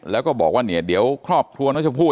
แล้วก็บอกว่าเนี่ยเดี๋ยวครอบครัวน้องชมพู่